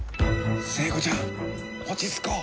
聖子ちゃん落ち着こう。